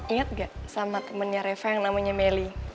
ingat gak sama temennya reva yang namanya melly